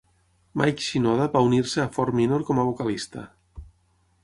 Mike Shinoda va unir-se a Fort Minor com a vocalista.